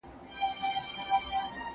دسيسې او چمونه د شيطان پلانونه دي.